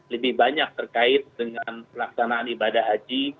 lebih banyak terkait dengan pelaksanaan ibadah haji